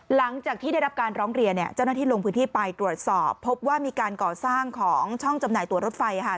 หลังจากที่ได้รับการร้องเรียนเนี่ยเจ้าหน้าที่ลงพื้นที่ไปตรวจสอบพบว่ามีการก่อสร้างของช่องจำหน่ายตัวรถไฟค่ะ